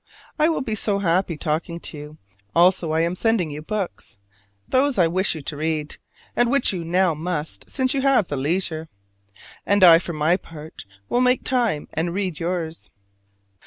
I will be so happy talking to you: also I am sending you books: those I wish you to read; and which now you must, since you have the leisure! And I for my part will make time and read yours.